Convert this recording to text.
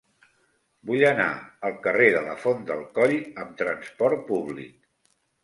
Vull anar al carrer de la Font del Coll amb trasport públic.